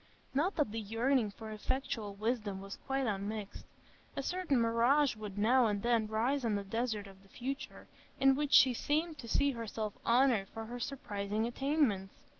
Not that the yearning for effectual wisdom was quite unmixed; a certain mirage would now and then rise on the desert of the future, in which she seemed to see herself honoured for her surprising attainments.